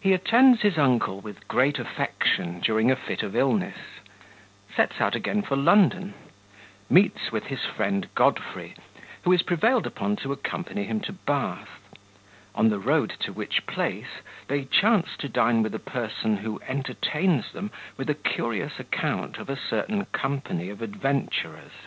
He attends his Uncle with great Affection during a Fit of Illness Sets out again for London Meets with his Friend Godfrey, who is prevailed upon to accompany him to Bath; on the Road to which Place they chance to Dine with a Person who entertains them with a curious Account of a certain Company of Adventurers.